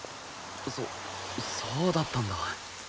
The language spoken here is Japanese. そそうだったんだ。